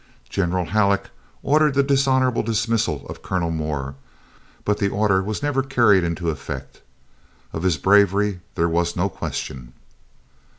General Halleck ordered the dishonorable dismissal of Colonel Moore, but the order was never carried into effect. Of his bravery there was no question.